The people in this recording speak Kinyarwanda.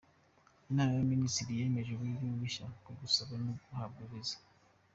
Inama y’Abaminisitiri yemeje uburyo bushya bwo gusaba no guhabwa viza.